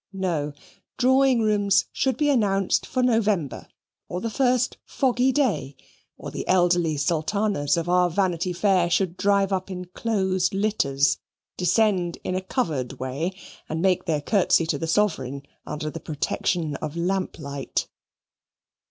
No. Drawing rooms should be announced for November, or the first foggy day, or the elderly sultanas of our Vanity Fair should drive up in closed litters, descend in a covered way, and make their curtsey to the Sovereign under the protection of lamplight.